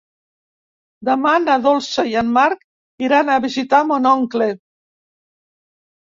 Demà na Dolça i en Marc iran a visitar mon oncle.